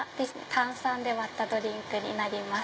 炭酸で割ったドリンクになります。